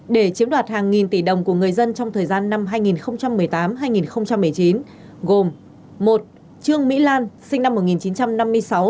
để chiếm đoạt hàng nghìn tỷ đồng của người dân trong thời gian năm hai nghìn một mươi tám hai nghìn một mươi chín gồm một trương mỹ lan sinh năm một nghìn chín trăm năm mươi sáu